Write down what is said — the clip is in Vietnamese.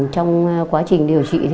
trong quá trình điều trị